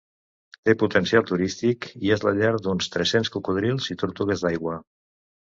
Té potencial turístic i és la llar d'uns tres-cents cocodrils i tortugues d'aigua.